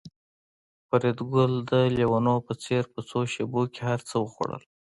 فریدګل د لېونو په څېر په څو شېبو کې هرڅه وخوړل